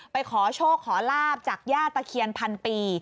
ไปขอโชคขอลาบจากญาติตะเขียนพันปี